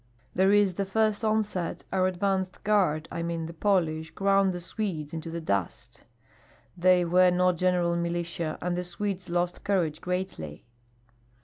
There in the first onset our advance guard I mean the Polish ground the Swedes into the dust. They were not general militia, and the Swedes lost courage greatly."